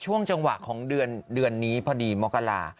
ช่วงจังหวะของเดือนนี้พอดีมกรา